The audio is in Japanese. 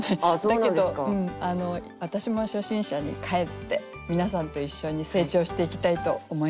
だけど私も初心者に返って皆さんと一緒に成長していきたいと思います。